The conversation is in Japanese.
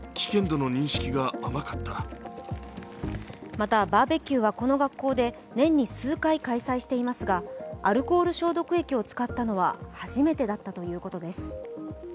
またバーベキューはこの学校で年に数回開催していますが、アルコール消毒液を使ったのは初めてだったということです。